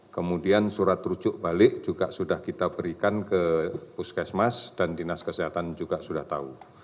kemudian surat rujuk balik juga sudah kita berikan ke puskesmas dan dinas kesehatan juga sudah tahu